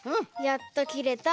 やっときれた。